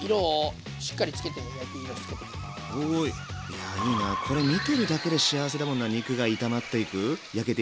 いやいいなこれ見てるだけで幸せだもんな肉が炒まっていく焼けていく感じ。